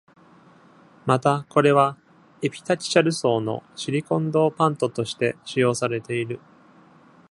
また、これはエピタキシャル層のシリコンドーパントとして使用されている。